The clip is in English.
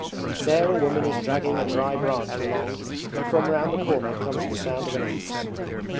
There a woman is dragging a dry branch along and from round the corner comes the sound of an axe.